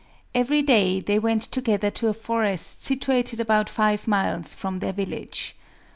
Every day they went together to a forest situated about five miles from their village.